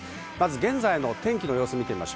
現在の天気の様子です。